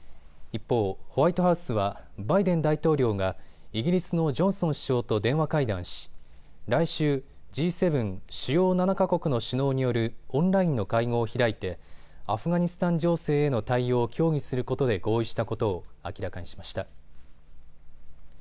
一方、ホワイトハウスはバイデン大統領がイギリスのジョンソン首相と電話会談し、来週Ｇ７・主要７か国の首脳によるオンラインの会合を開いてアフガニスタン情勢への対応を協議することで合意したことを明らかにしました。